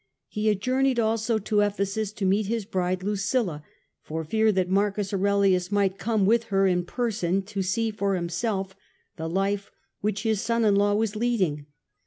He had journeyed also to Ephesus to meet his bride Lucilla, for fear that Marcus Aurelius might come with her in person, to see for himself the life which his son in law was leading.